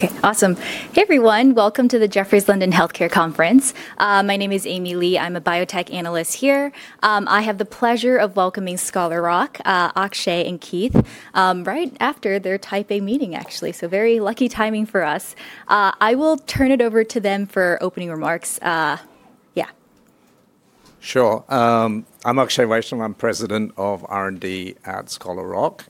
Okay, awesome. Hey everyone, welcome to the Jefferies London Healthcare Conference. My name is Amy Lee. I'm a biotech analyst here. I have the pleasure of welcoming Scholar Rock, Akshay, and Keith right after their Type A meeting, actually. Very lucky timing for us. I will turn it over to them for opening remarks. Yeah. Sure. I'm Akshay Vaishnaw, I'm President of R&D at Scholar Rock.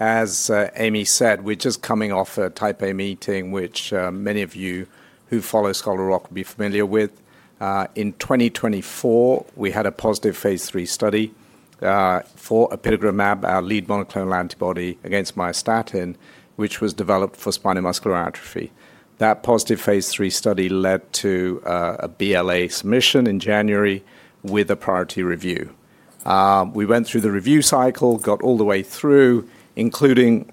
As Amy said, we're just coming off a Type A meeting, which many of you who follow Scholar Rock will be familiar with. In 2024, we had a positive phase III study for apitegromab, our lead monoclonal antibody against myostatin, which was developed for spinal muscular atrophy. That positive phase III study led to a BLA submission in January with a priority review. We went through the review cycle, got all the way through, including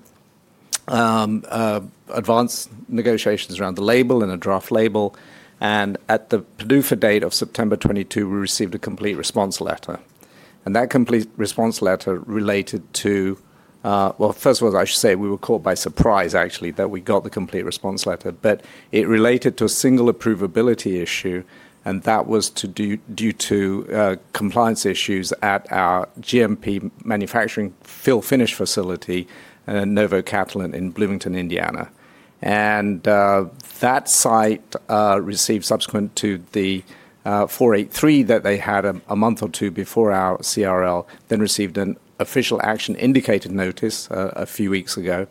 advanced negotiations around the label and a draft label. At the PDUFA date of September 2022, we received a complete response letter. That complete response letter related to, well, first of all, I should say we were caught by surprise, actually, that we got the complete response letter. It related to a single approvability issue, and that was due to compliance issues at our GMP manufacturing fill finish facility, Novo Nordisk in Bloomington, Indiana. That site received, subsequent to the 483 that they had a month or two before our Complete Response Letter, an Official Action Indicated notice a few weeks ago.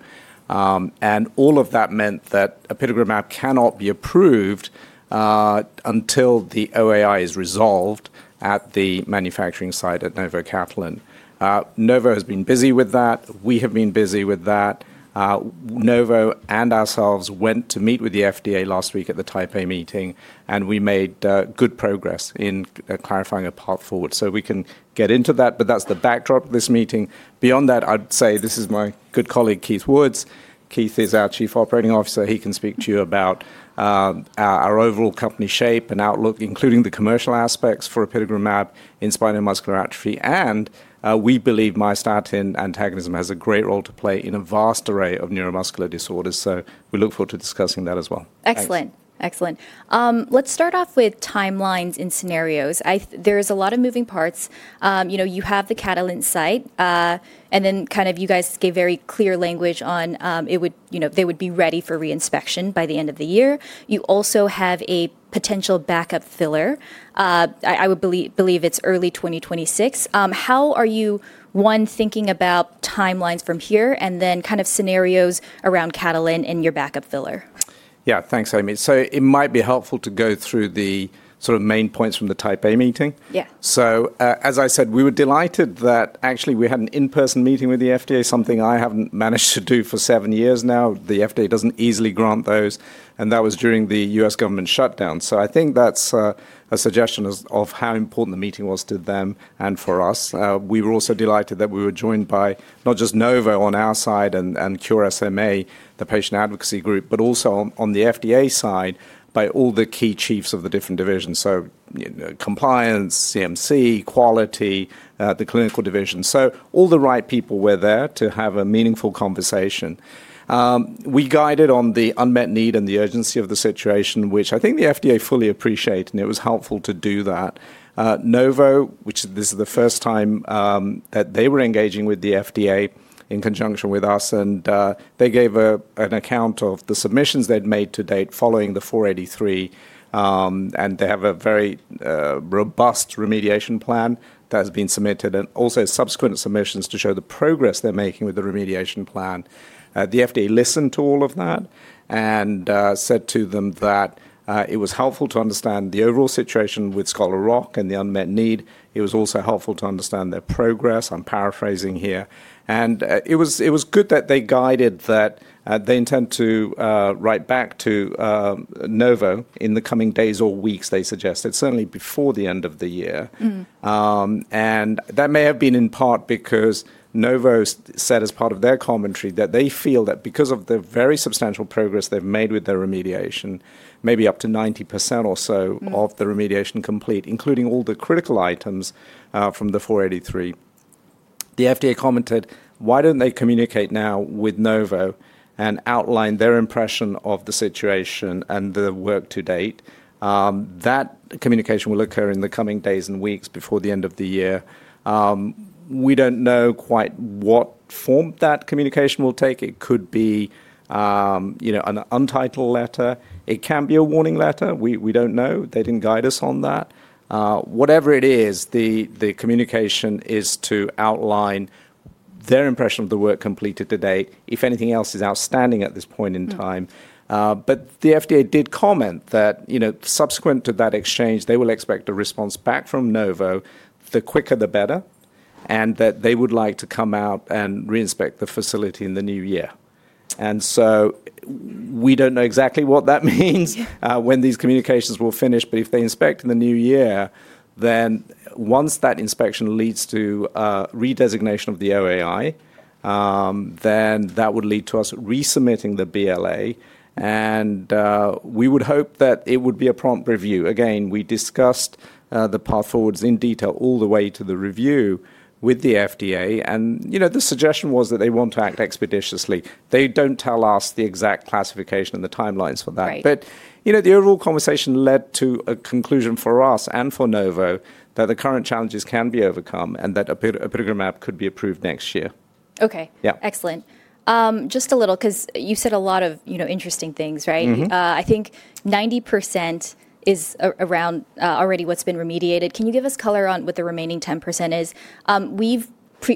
All of that meant that apitegromab cannot be approved until the OAI is resolved at the manufacturing site at Novo Nordisk. Novo has been busy with that. We have been busy with that. Novo and ourselves went to meet with the FDA last week at the Type A meeting, and we made good progress in clarifying a path forward. We can get into that, but that's the backdrop of this meeting. Beyond that, I'd say this is my good colleague, Keith Woods. Keith is our Chief Operating Officer. He can speak to you about our overall company shape and outlook, including the commercial aspects for apitegromab in spinal muscular atrophy. We believe myostatin antagonism has a great role to play in a vast array of neuromuscular disorders. We look forward to discussing that as well. Excellent. Excellent. Let's start off with timelines and scenarios. There's a lot of moving parts. You have the Catalent site, and then kind of you guys gave very clear language on it would, you know, they would be ready for reinspection by the end of the year. You also have a potential backup filler. I would believe it's early 2026. How are you, one, thinking about timelines from here, and then kind of scenarios around Catalent and your backup filler? Yeah, thanks, Amy. It might be helpful to go through the sort of main points from the Type A meeting. Yeah. As I said, we were delighted that actually we had an in-person meeting with the FDA, something I have not managed to do for seven years now. The FDA does not easily grant those. That was during the U.S. government shutdown. I think that is a suggestion of how important the meeting was to them and for us. We were also delighted that we were joined by not just Novo on our side and Cure SMA, the patient advocacy group, but also on the FDA side by all the key chiefs of the different divisions. You know, compliance, CMC, quality, the clinical division. All the right people were there to have a meaningful conversation. We guided on the unmet need and the urgency of the situation, which I think the FDA fully appreciated, and it was helpful to do that. Novo, which this is the first time that they were engaging with the FDA in conjunction with us, and they gave an account of the submissions they'd made to date following the 483. They have a very robust remediation plan that has been submitted, and also subsequent submissions to show the progress they're making with the remediation plan. The FDA listened to all of that and said to them that it was helpful to understand the overall situation with Scholar Rock and the unmet need. It was also helpful to understand their progress. I'm paraphrasing here. It was good that they guided that they intend to write back to Novo in the coming days or weeks, they suggested, certainly before the end of the year. That may have been in part because Novo said as part of their commentary that they feel that because of the very substantial progress they've made with their remediation, maybe up to 90% or so of the remediation complete, including all the critical items from the 483. The FDA commented, why don't they communicate now with Novo and outline their impression of the situation and the work to date? That communication will occur in the coming days and weeks before the end of the year. We don't know quite what form that communication will take. It could be, you know, an untitled letter. It can be a warning letter. We don't know. They didn't guide us on that. Whatever it is, the communication is to outline their impression of the work completed to date. If anything else is outstanding at this point in time. The FDA did comment that, you know, subsequent to that exchange, they will expect a response back from Novo, the quicker the better, and that they would like to come out and reinspect the facility in the new year. We do not know exactly what that means when these communications will finish, but if they inspect in the new year, then once that inspection leads to redesignation of the OAI, that would lead to us resubmitting the BLA. We would hope that it would be a prompt review. Again, we discussed the path forwards in detail all the way to the review with the FDA. You know, the suggestion was that they want to act expeditiously. They do not tell us the exact classification and the timelines for that. You know, the overall conversation led to a conclusion for us and for Novo that the current challenges can be overcome and that apitegromab could be approved next year. Okay. Excellent. Just a little, because you said a lot of, you know, interesting things, right? I think 90% is around already what's been remediated. Can you give us color on what the remaining 10% is? We've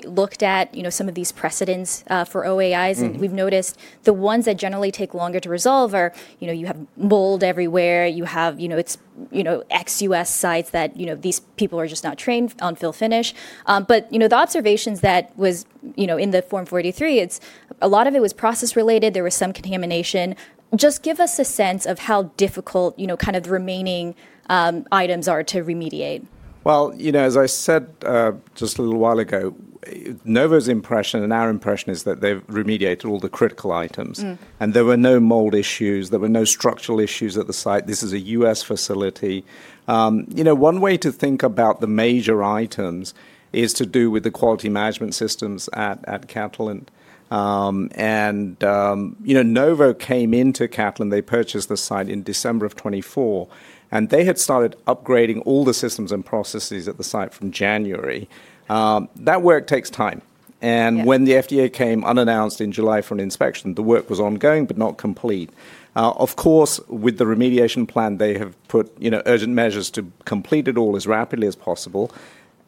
looked at, you know, some of these precedents for OAIs. We've noticed the ones that generally take longer to resolve are, you know, you have mold everywhere. You have, you know, it's, you know, XUS sites that, you know, these people are just not trained on fill finish. You know, the observations that was, you know, in the Form 483, it's a lot of it was process related. There was some contamination. Just give us a sense of how difficult, you know, kind of the remaining items are to remediate. You know, as I said just a little while ago, Novo's impression and our impression is that they've remediated all the critical items. There were no mold issues. There were no structural issues at the site. This is a U.S. facility. You know, one way to think about the major items is to do with the quality management systems at Catalent. You know, Novo came into Catalent. They purchased the site in December of 2024. They had started upgrading all the systems and processes at the site from January. That work takes time. When the FDA came unannounced in July for an inspection, the work was ongoing but not complete. Of course, with the remediation plan, they have put, you know, urgent measures to complete it all as rapidly as possible.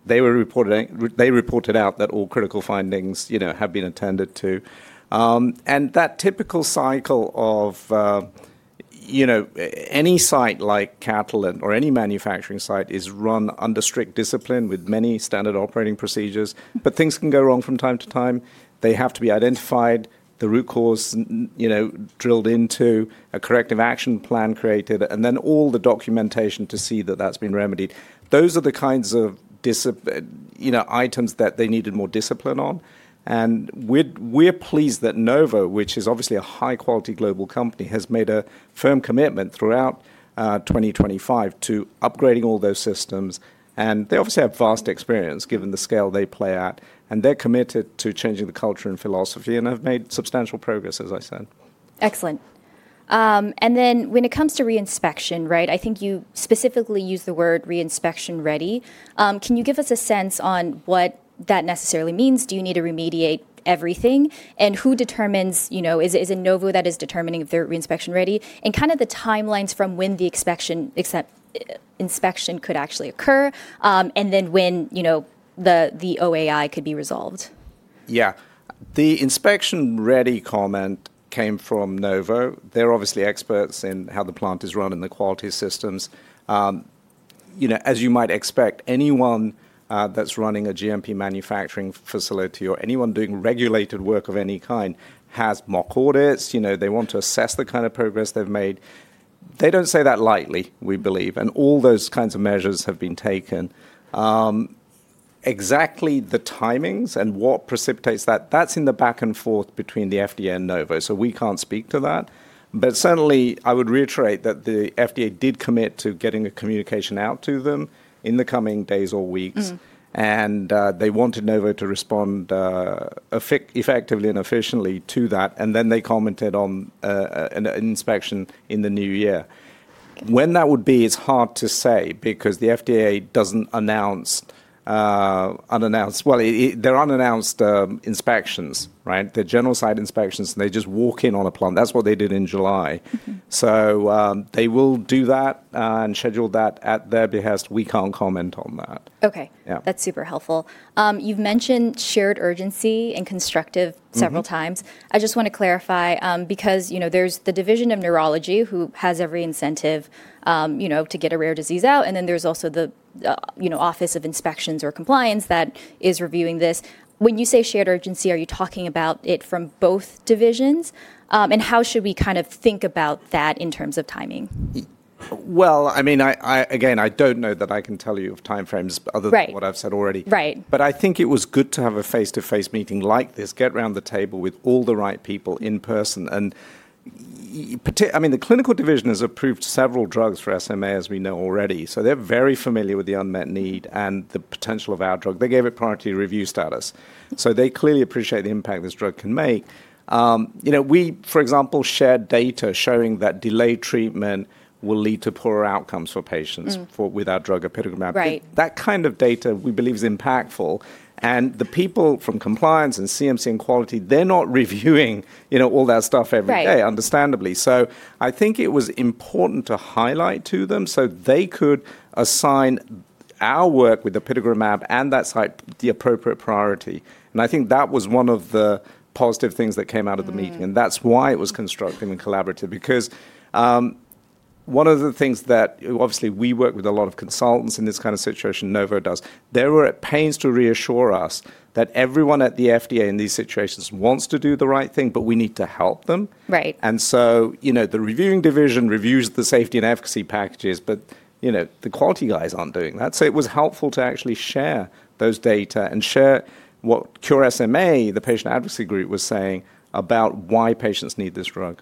They reported out that all critical findings, you know, have been attended to. That typical cycle of, you know, any site like Catalent or any manufacturing site is run under strict discipline with many standard operating procedures. Things can go wrong from time to time. They have to be identified, the root cause, you know, drilled into, a corrective action plan created, and then all the documentation to see that that has been remedied. Those are the kinds of, you know, items that they needed more discipline on. We are pleased that Novo, which is obviously a high-quality global company, has made a firm commitment throughout 2025 to upgrading all those systems. They obviously have vast experience given the scale they play at. They are committed to changing the culture and philosophy and have made substantial progress, as I said. Excellent. When it comes to reinspection, right, I think you specifically used the word reinspection ready. Can you give us a sense on what that necessarily means? Do you need to remediate everything? Who determines, you know, is it Novo that is determining if they're reinspection ready? Kind of the timelines from when the inspection could actually occur and then when, you know, the OAI could be resolved. Yeah. The inspection ready comment came from Novo. They're obviously experts in how the plant is run and the quality systems. You know, as you might expect, anyone that's running a GMP manufacturing facility or anyone doing regulated work of any kind has mock audits. You know, they want to assess the kind of progress they've made. They don't say that lightly, we believe. And all those kinds of measures have been taken. Exactly the timings and what precipitates that, that's in the back and forth between the FDA and Novo. So we can't speak to that. Certainly, I would reiterate that the FDA did commit to getting a communication out to them in the coming days or weeks. They wanted Novo to respond effectively and efficiently to that. They commented on an inspection in the new year. When that would be is hard to say because the FDA does not announce unannounced, well, they are unannounced inspections, right? They are general site inspections. They just walk in on a plant. That is what they did in July. They will do that and schedule that at their behest. We cannot comment on that. Okay. That's super helpful. You've mentioned shared urgency and constructive several times. I just want to clarify because, you know, there's the division of neurology who has every incentive, you know, to get a rare disease out. And then there's also the, you know, office of inspections or compliance that is reviewing this. When you say shared urgency, are you talking about it from both divisions? And how should we kind of think about that in terms of timing? I mean, again, I don't know that I can tell you of timeframes other than what I've said already. I think it was good to have a face-to-face meeting like this, get around the table with all the right people in person. I mean, the clinical division has approved several drugs for SMA, as we know already. They are very familiar with the unmet need and the potential of our drug. They gave it priority review status. They clearly appreciate the impact this drug can make. You know, we, for example, shared data showing that delayed treatment will lead to poorer outcomes for patients with our drug, apitegromab. That kind of data we believe is impactful. The people from compliance and CMC and quality, they're not reviewing, you know, all that stuff every day, understandably. I think it was important to highlight to them so they could assign our work with the apitegromab and that site the appropriate priority. I think that was one of the positive things that came out of the meeting. That is why it was constructive and collaborative. Because one of the things that obviously we work with a lot of consultants in this kind of situation, Novo does, they were at pains to reassure us that everyone at the FDA in these situations wants to do the right thing, but we need to help them. You know, the reviewing division reviews the safety and efficacy packages, but, you know, the quality guys are not doing that. It was helpful to actually share those data and share what Cure SMA, the patient advocacy group, was saying about why patients need this drug.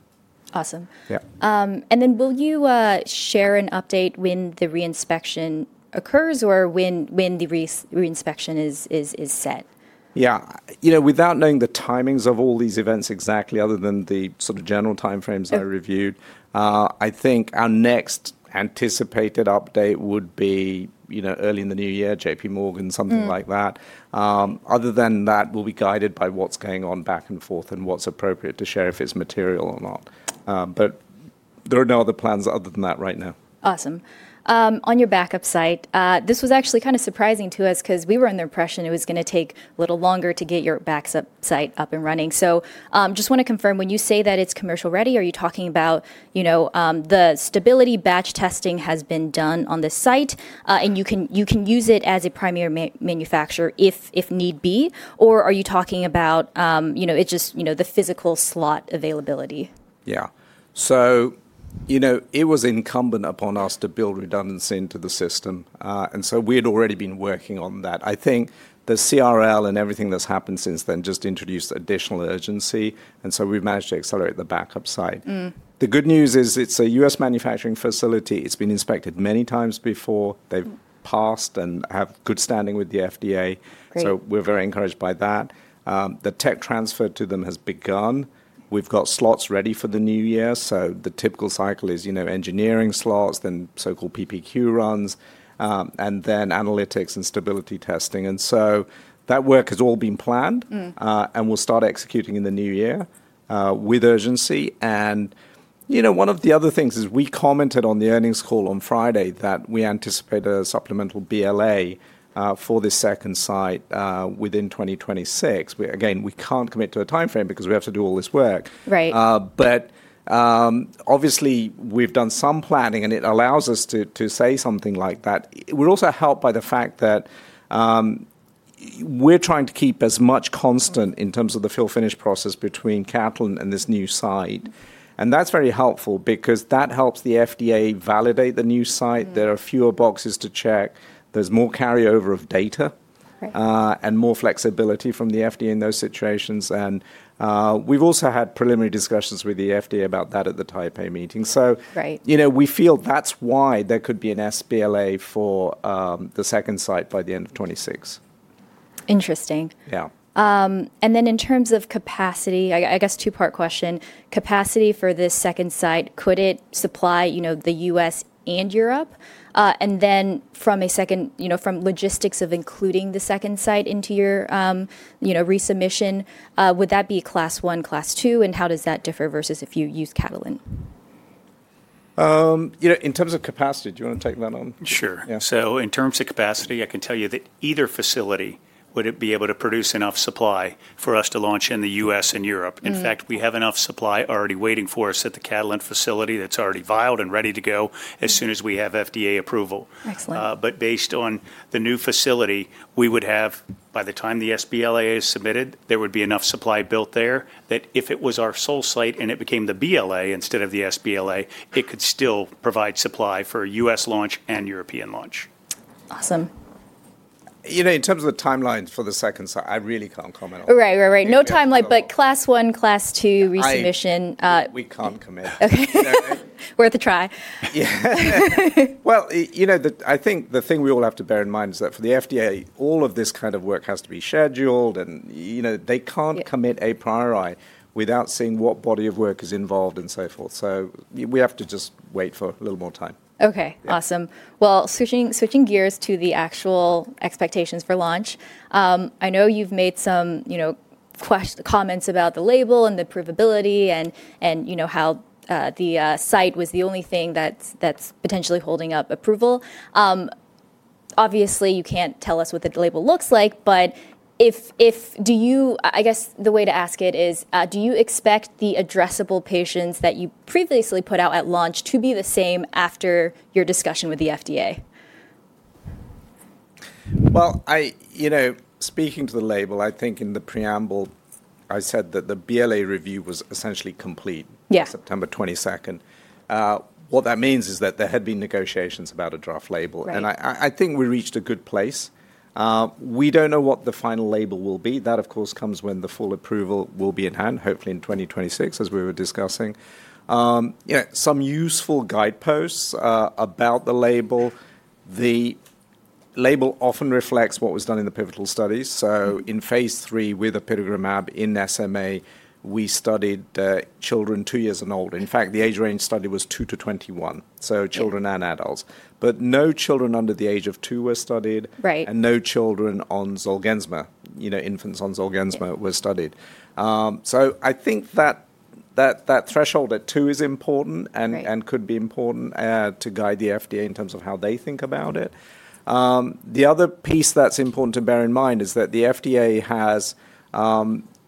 Awesome. Yeah. Will you share an update when the reinspection occurs or when the reinspection is set? Yeah, you know, without knowing the timings of all these events exactly, other than the sort of general timeframes that are reviewed, I think our next anticipated update would be, you know, early in the new year, JPMorgan, something like that. Other than that, we'll be guided by what's going on back and forth and what's appropriate to share if it's material or not. There are no other plans other than that right now. Awesome. On your backup site, this was actually kind of surprising to us because we were under the impression it was going to take a little longer to get your backup site up and running. So just want to confirm, when you say that it's commercial ready, are you talking about, you know, the stability batch testing has been done on the site and you can use it as a primary manufacturer if need be? Or are you talking about, you know, it's just, you know, the physical slot availability? Yeah. So, you know, it was incumbent upon us to build redundancy into the system. And so we had already been working on that. I think the CRL and everything that's happened since then just introduced additional urgency. And so we've managed to accelerate the backup site. The good news is it's a U.S. manufacturing facility. It's been inspected many times before. They've passed and have good standing with the FDA. So we're very encouraged by that. The tech transfer to them has begun. We've got slots ready for the new year. So the typical cycle is, you know, engineering slots, then so-called PPQ runs, and then analytics and stability testing. And so that work has all been planned and we'll start executing in the new year with urgency. You know, one of the other things is we commented on the earnings call on Friday that we anticipate a supplemental BLA for this second site within 2026. Again, we can't commit to a timeframe because we have to do all this work. Obviously, we've done some planning and it allows us to say something like that. We're also helped by the fact that we're trying to keep as much constant in terms of the fill finish process between Catalent and this new site. That's very helpful because that helps the FDA validate the new site. There are fewer boxes to check. There's more carryover of data and more flexibility from the FDA in those situations. We've also had preliminary discussions with the FDA about that at the Type A meeting. You know, we feel that's why there could be an SBLA for the second site by the end of 2026. Interesting. Yeah. In terms of capacity, I guess two-part question, capacity for this second site, could it supply, you know, the U.S. and Europe? Then from a second, you know, from logistics of including the second site into your, you know, resubmission, would that be class one, class two? How does that differ versus if you use Catalent? You know, in terms of capacity, do you want to take that on? Sure. In terms of capacity, I can tell you that either facility would be able to produce enough supply for us to launch in the U.S. and Europe. In fact, we have enough supply already waiting for us at the Catalent facility that's already vialed and ready to go as soon as we have FDA approval. Based on the new facility, we would have, by the time the SBLA is submitted, enough supply built there that if it was our sole site and it became the BLA instead of the SBLA, it could still provide supply for U.S. launch and European launch. Awesome. You know, in terms of the timelines for the second site, I really can't comment on that. Right, right, right. No timeline, but class one, class two resubmission. We can't commit. Okay. Worth a try. Yeah. You know, I think the thing we all have to bear in mind is that for the FDA, all of this kind of work has to be scheduled and, you know, they can't commit a priori without seeing what body of work is involved and so forth. We have to just wait for a little more time. Okay. Awesome. Switching gears to the actual expectations for launch, I know you've made some, you know, questions, comments about the label and the approvability and, you know, how the site was the only thing that's potentially holding up approval. Obviously, you can't tell us what the label looks like, but if, do you, I guess the way to ask it is, do you expect the addressable patients that you previously put out at launch to be the same after your discussion with the FDA? You know, speaking to the label, I think in the preamble, I said that the BLA review was essentially complete on September 22. What that means is that there had been negotiations about a draft label. I think we reached a good place. We do not know what the final label will be. That, of course, comes when the full approval will be in hand, hopefully in 2026, as we were discussing. You know, some useful guideposts about the label. The label often reflects what was done in the pivotal studies. In phase three with apitegromab in SMA, we studied children two years and old. In fact, the age range studied was two to 21, so children and adults. No children under the age of two were studied. No children on Zolgensma, you know, infants on Zolgensma were studied. I think that that threshold at two is important and could be important to guide the FDA in terms of how they think about it. The other piece that's important to bear in mind is that the FDA has,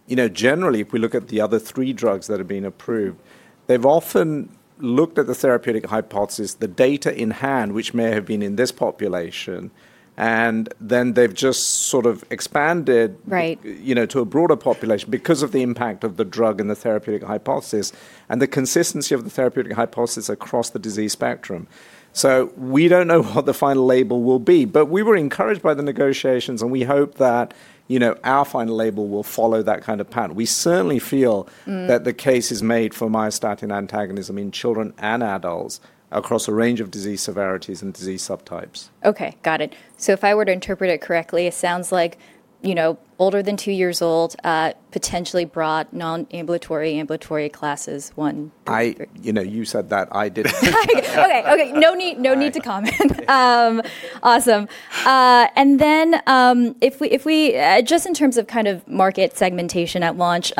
you know, generally, if we look at the other three drugs that have been approved, they've often looked at the therapeutic hypothesis, the data in hand, which may have been in this population. And then they've just sort of expanded, you know, to a broader population because of the impact of the drug and the therapeutic hypothesis and the consistency of the therapeutic hypothesis across the disease spectrum. We don't know what the final label will be, but we were encouraged by the negotiations and we hope that, you know, our final label will follow that kind of pattern. We certainly feel that the case is made for myostatin antagonism in children and adults across a range of disease severities and disease subtypes. Okay, got it. So if I were to interpret it correctly, it sounds like, you know, older than two years old, potentially broad non-ambulatory, ambulatory classes one. I, you know, you said that. I didn't. Okay, okay. No need, no need to comment. Awesome. If we, just in terms of kind of market segmentation at launch,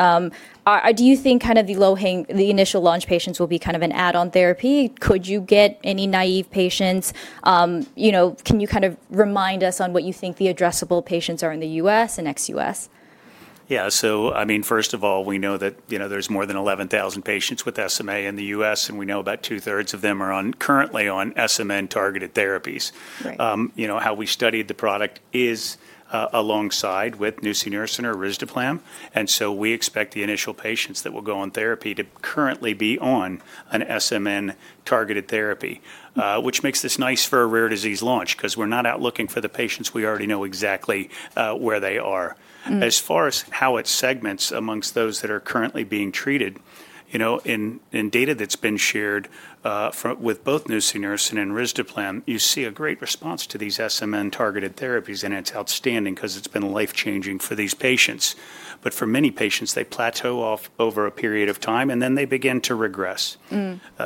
do you think kind of the low-hang, the initial launch patients will be kind of an add-on therapy? Could you get any naive patients? You know, can you kind of remind us on what you think the addressable patients are in the U.S. and ex-U.S.? Yeah, so I mean, first of all, we know that, you know, there's more than 11,000 patients with SMA in the U.S. and we know about two-thirds of them are currently on SMN targeted therapies. You know, how we studied the product is alongside with nusinersen and risdiplam. And so we expect the initial patients that will go on therapy to currently be on an SMN targeted therapy, which makes this nice for a rare disease launch because we're not out looking for the patients. We already know exactly where they are. As far as how it segments amongst those that are currently being treated, you know, in data that's been shared with both nusinersen and risdiplam, you see a great response to these SMN targeted therapies and it's outstanding because it's been life-changing for these patients. For many patients, they plateau off over a period of time and then they begin to regress.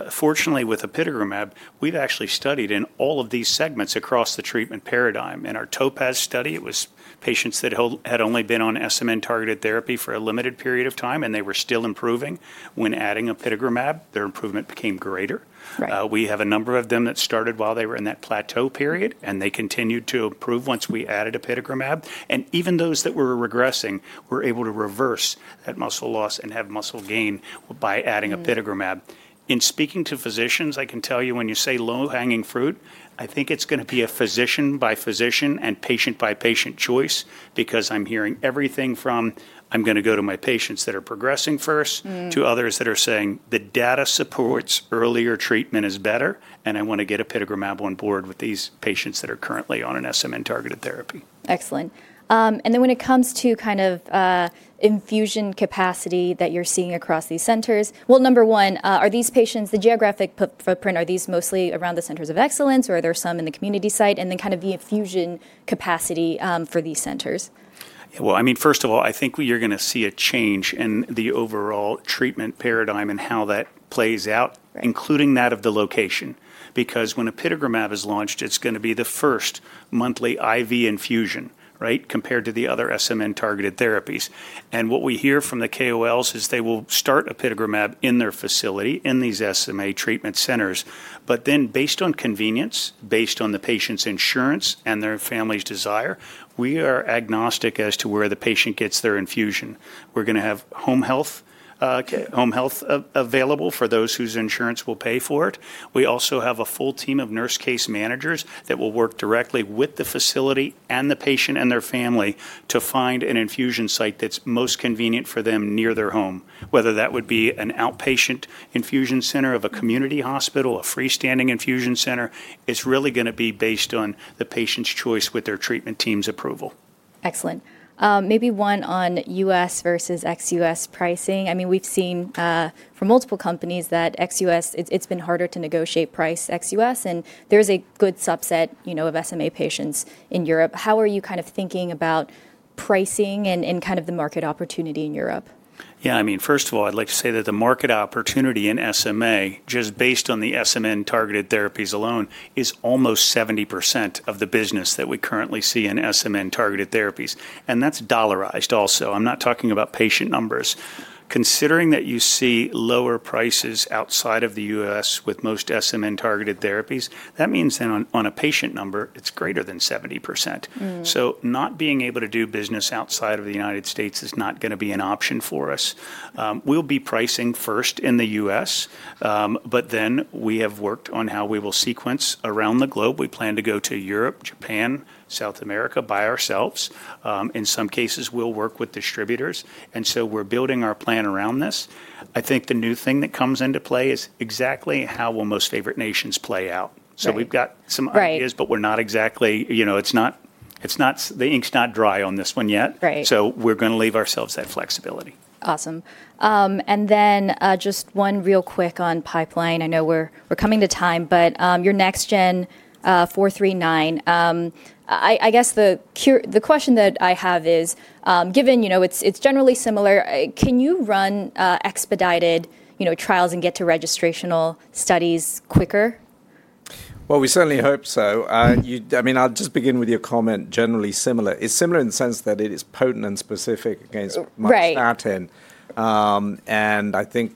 Fortunately, with apitegromab, we've actually studied in all of these segments across the treatment paradigm. In our Topaz study, it was patients that had only been on SMN targeted therapy for a limited period of time and they were still improving. When adding apitegromab, their improvement became greater. We have a number of them that started while they were in that plateau period and they continued to improve once we added apitegromab. Even those that were regressing were able to reverse that muscle loss and have muscle gain by adding apitegromab. In speaking to physicians, I can tell you when you say low-hanging fruit, I think it's going to be a physician by physician and patient by patient choice because I'm hearing everything from I'm going to go to my patients that are progressing first to others that are saying the data supports earlier treatment is better and I want to get apitegromab on board with these patients that are currently on an SMN targeted therapy. Excellent. When it comes to kind of infusion capacity that you are seeing across these centers, number one, are these patients, the geographic footprint, are these mostly around the centers of excellence or are there some in the community site? Then kind of the infusion capacity for these centers? I mean, first of all, I think you're going to see a change in the overall treatment paradigm and how that plays out, including that of the location. Because when apitegromab is launched, it's going to be the first monthly IV infusion, right, compared to the other SMN targeted therapies. What we hear from the KOLs is they will start apitegromab in their facility in these SMA treatment centers. Then based on convenience, based on the patient's insurance and their family's desire, we are agnostic as to where the patient gets their infusion. We're going to have home health available for those whose insurance will pay for it. We also have a full team of nurse case managers that will work directly with the facility and the patient and their family to find an infusion site that's most convenient for them near their home. Whether that would be an outpatient infusion center of a community hospital, a freestanding infusion center, it's really going to be based on the patient's choice with their treatment team's approval. Excellent. Maybe one on U.S. versus ex-U.S. pricing. I mean, we've seen from multiple companies that ex-U.S., it's been harder to negotiate price ex-U.S. and there's a good subset, you know, of SMA patients in Europe. How are you kind of thinking about pricing and kind of the market opportunity in Europe? Yeah, I mean, first of all, I'd like to say that the market opportunity in SMA, just based on the SMN-targeted therapies alone, is almost 70% of the business that we currently see in SMN-targeted therapies. And that's dollarized also. I'm not talking about patient numbers. Considering that you see lower prices outside of the U.S. with most SMN-targeted therapies, that means that on a patient number, it's greater than 70%. So not being able to do business outside of the United States is not going to be an option for us. We'll be pricing first in the U.S., but then we have worked on how we will sequence around the globe. We plan to go to Europe, Japan, South America by ourselves. In some cases, we'll work with distributors. And so we're building our plan around this. I think the new thing that comes into play is exactly how will most favored nations play out. So we've got some ideas, but we're not exactly, you know, it's not, it's not, the ink's not dry on this one yet. So we're going to leave ourselves that flexibility. Awesome. And then just one real quick on pipeline. I know we're coming to time, but your NextGen 439, I guess the question that I have is, given, you know, it's generally similar, can you run expedited, you know, trials and get to registrational studies quicker? I mean, I'll just begin with your comment, generally similar. It's similar in the sense that it is potent and specific against myostatin. And I think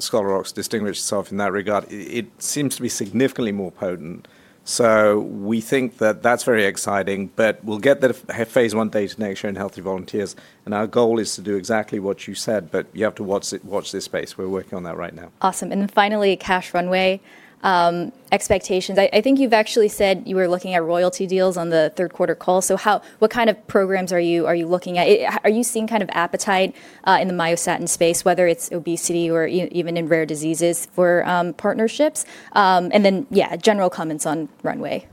Scholar Rock's distinguished itself in that regard. It seems to be significantly more potent. So we think that that's very exciting, but we'll get the phase I data next year in healthy volunteers. And our goal is to do exactly what you said, but you have to watch this space. We're working on that right now. Awesome. Finally, cash runway expectations. I think you've actually said you were looking at royalty deals on the third quarter call. What kind of programs are you looking at? Are you seeing kind of appetite in the myostatin space, whether it's obesity or even in rare diseases for partnerships? Yeah, general comments on runway.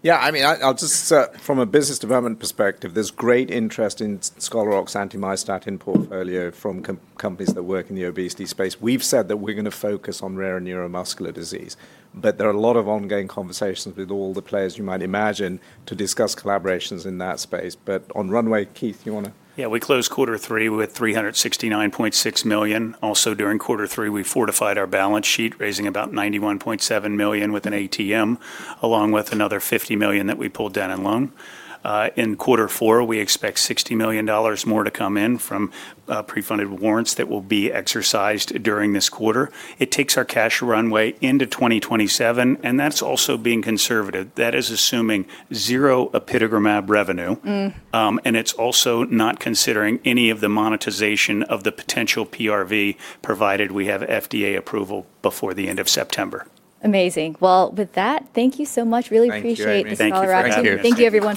Yeah, I mean, I'll just say from a business development perspective, there's great interest in Scholar Rock's anti-myostatin portfolio from companies that work in the obesity space. We've said that we're going to focus on rare and neuromuscular disease, but there are a lot of ongoing conversations with all the players you might imagine to discuss collaborations in that space. On Runway, Keith, you want to? Yeah, we closed quarter three with $369.6 million. Also during quarter three, we fortified our balance sheet raising about $91.7 million with an ATM, along with another $50 million that we pulled down in loan. In quarter four, we expect $60 million more to come in from pre-funded warrants that will be exercised during this quarter. It takes our cash runway into 2027, and that's also being conservative. That is assuming zero apitegromab revenue. And it's also not considering any of the monetization of the potential PRV provided we have FDA approval before the end of September. Amazing. With that, thank you so much. Really appreciate it, Scholar Rock. Thank you, everyone.